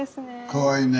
かわいいですね。